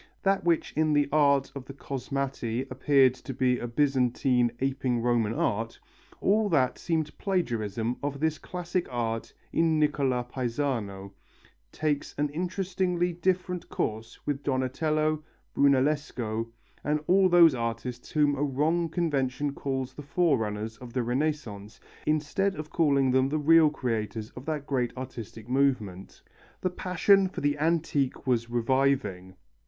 That which in the art of the Cosmati appeared to be a Byzantine aping Roman art, all that seemed plagiarism of this classic art in Nicola Pisano, takes an interestingly different course with Donatello, Brunellesco, and all of those artists whom a wrong convention calls the forerunners of the Renaissance instead of calling them the real creators of that great artistic movement. The passion for the antique was reviving.